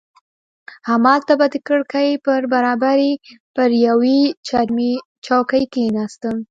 همالته به د کړکۍ پر برابري پر یوې چرمي چوکۍ کښېناستم.